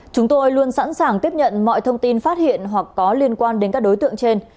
chúng tôi luôn sẵn sàng tiếp nhận mọi thông tin phát hiện hoặc có liên quan đến các đối tượng trên